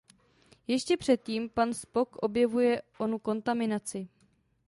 Ještě předtím pan Spock objevuje onu kontaminaci.